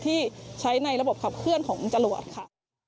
ที่ใช้ในระบบขับเคลื่อนของจรวดค่ะ